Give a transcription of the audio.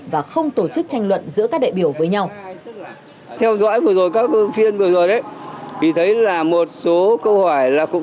và không tổ chức tranh luận giữa các đại biểu với nhau